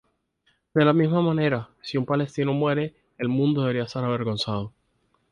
De la misma manera, si un solo palestino muere, el mundo debería estar avergonzado.